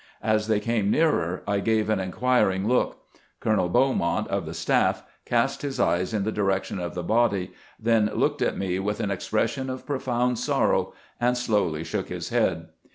As they came nearer I gave an inquiring look. Colonel Beaumont, of the staff, cast his eyes in the direction of the body, then looked at me with an expression of profound sorrow, and slowly shook his head.